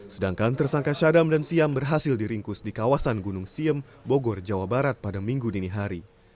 sedangkan tersangka syadam dan siam berhasil diringkus di kawasan gunung siem bogor jawa barat pada minggu dini hari